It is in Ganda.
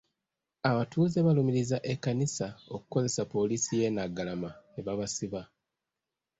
Abatuuze balumiriza Ekkanisa okukozesa poliisi y'e Naggalama ne babasiba.